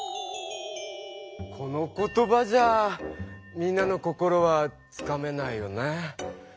この言葉じゃみんなの心はつかめないよね。